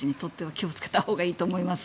気をつけたほうがいいと思います。